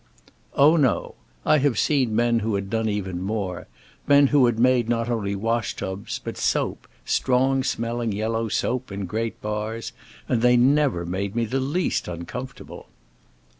"Oh no; I have seen men who had done even more, men who had made not only wash tubs, but soap—strong smelling yellow soap, in great bars; and they never made me the least uncomfortable."